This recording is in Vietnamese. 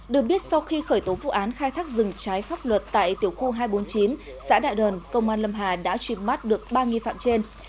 được biết sau khi khởi tố vụ án khai thác rừng trái pháp luật tại tiểu khu hai trăm bốn mươi chín xã đạ đờn công an lâm hà đã truy mắt được ba nghi phạm trên